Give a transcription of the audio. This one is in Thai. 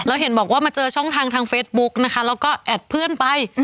แล้วเห็นบอกว่ามาเจอช่องทางทางเฟซบุ๊กนะคะแล้วก็แอดเพื่อนไป